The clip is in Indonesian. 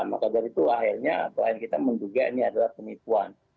maka dari itu akhirnya klien kita menduga ini adalah penipuan